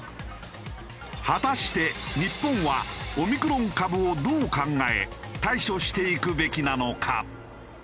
果たして日本はオミクロン株をどう考え対処していくべきなのか？